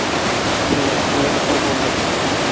Әллә, уныһы ҡайҙандыр.